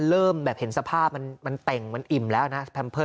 เพราะเห็นสภาพมันอิ่มแล้วนะ